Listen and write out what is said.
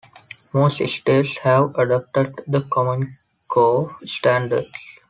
Most states have adopted the Common Core standards.